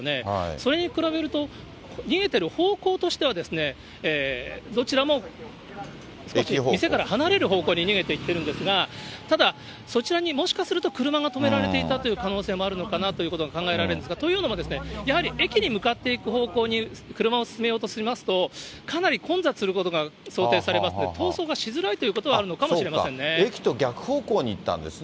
それに比べると、逃げてる方向としてはですね、どちらも店から離れる方向に逃げていってるんですが、ただそちらにもしかすると車が止められていたという可能性もあるのかなということが考えられるんですが、というのもですね、やはり駅に向かっていく方向に車を進めたとしますと、かなり混雑することが想定されますので、逃走がしづらいということはあるのかもしれませんね。